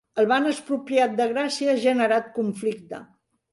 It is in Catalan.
El Banc Expropiat de Gràcia ha generat conflicte